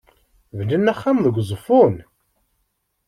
Bnan axxam deg Uzeffun?